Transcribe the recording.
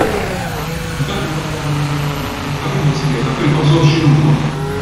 Dan huwa terminu tekniku li ta' min jispjega fil-qosor x'inhuwa.